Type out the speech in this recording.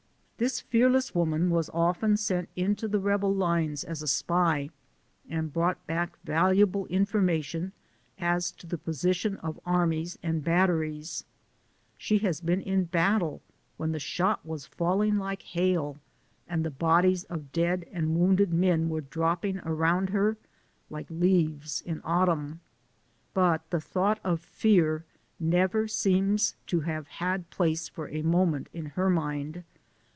This fearless woman was often sent into the rebel lines as a spy, and brought back valuable informa tion as to the position of armies and batteries ; she has been in battle when the shot was falling like hail, and the bodies of dead and wounded men were dropping around her like leaves in autumn ; but the thought of fear never seems to have had place for a moment in her mind.